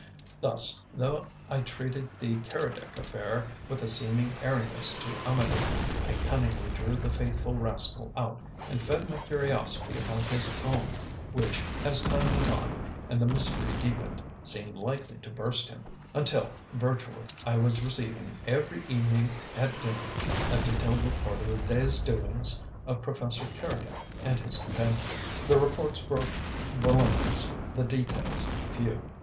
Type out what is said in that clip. Thus, though I treated the "Keredec affair" with a seeming airiness to Amedee, I cunningly drew the faithful rascal out, and fed my curiosity upon his own (which, as time went on and the mystery deepened, seemed likely to burst him), until, virtually, I was receiving, every evening at dinner, a detailed report of the day's doings of Professor Keredec and his companion. The reports were voluminous, the details few.